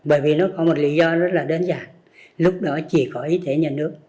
bởi vì nó có một lý do rất là đơn giản lúc đó chỉ có y tế nhà nước